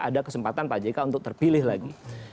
ada kesempatan pak jk untuk terpilih lagi